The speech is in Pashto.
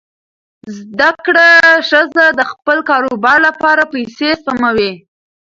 زده کړه ښځه د خپل کاروبار لپاره پیسې سپموي.